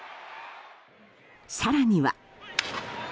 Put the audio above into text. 更には。